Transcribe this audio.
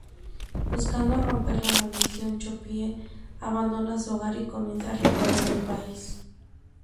Buscando romper la maldición, Sophie abandona su hogar y comienza a recorrer el país.